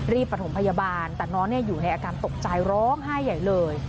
ประถมพยาบาลแต่น้องอยู่ในอาการตกใจร้องไห้ใหญ่เลย